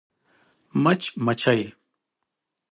🐝 مچمچۍ